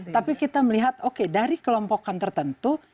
tapi kita melihat oke dari kelompokan tertentu